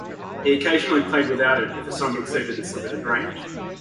He occasionally played without it, if a song exceeded its limited range.